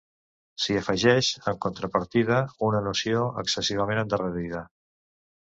S'hi afegeix, en contrapartida, una noció excessivament endarrerida.